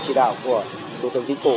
chỉ đạo của tổng chính phủ